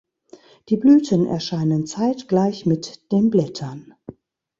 Die Blüten erscheinen zeitgleich mit den Blättern.